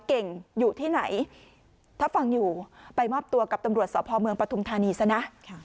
เก่งอยู่ที่ไหนถ้าฟังอยู่ไปมอบตัวกับตำรวจสพเมืองปฐุมธานีซะนะ